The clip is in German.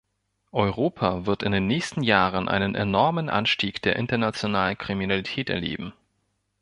Europa wird in den nächsten Jahren einen enormen Anstieg der internationalen Kriminalität erleben.